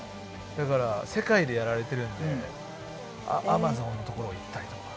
だから世界でやられているんでアマゾンの所を行ったりとか。